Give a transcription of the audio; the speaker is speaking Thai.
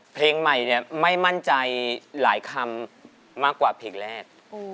เพลงใหม่เนี่ยไม่มั่นใจหลายคำมากกว่าเพลงแรก